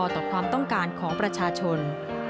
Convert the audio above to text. ต่อความต้องการของประชาชน